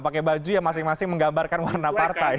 pakai baju yang masing masing menggambarkan warna partai